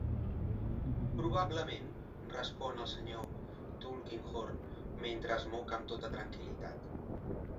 "Probablement", respon el Sr. Tulkinghorn, mentre es moca amb tota tranquil·litat.